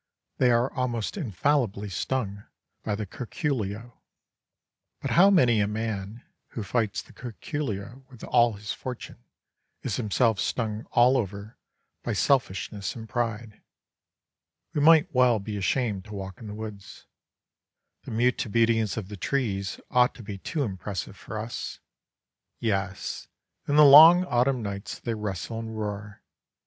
They are almost infallibly stung by the curculio. But how many a man who fights the curculio with all his fortune is himself stung all over by selfishness and pride! We might well be ashamed to walk in the woods. The mute obedience of the trees ought to be too impressive for us. Yes, in the long autumn nights they wrestle and roar.